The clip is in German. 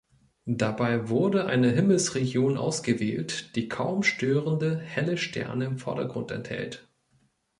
Dabei wurde eine Himmelsregion ausgewählt, die kaum störende helle Sterne im Vordergrund enthält.